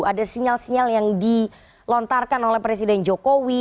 ada sinyal sinyal yang dilontarkan oleh presiden jokowi